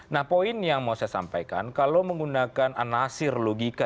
nah poin yang mau saya sampaikan kalau menggunakan anasir logika